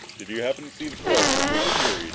"Did you happen to see the play in the first period?"